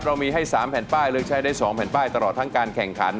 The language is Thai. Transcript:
เรามีให้๓แผ่นป้ายเลือกใช้ได้๒แผ่นป้ายตลอดทั้งการแข่งขัน